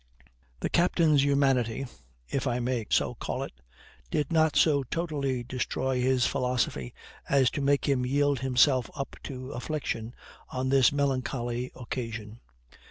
The captain's humanity, if I may so call it, did not so totally destroy his philosophy as to make him yield himself up to affliction on this melancholy occasion.